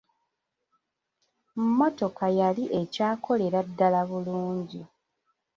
Mmotoka yali ekyakolera ddala bulungi.